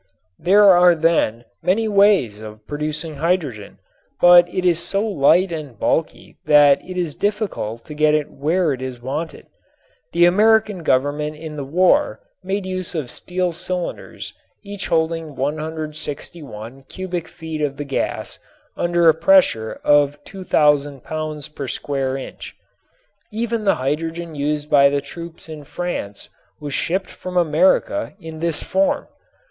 There are then many ways of producing hydrogen, but it is so light and bulky that it is difficult to get it where it is wanted. The American Government in the war made use of steel cylinders each holding 161 cubic feet of the gas under a pressure of 2000 pounds per square inch. Even the hydrogen used by the troops in France was shipped from America in this form.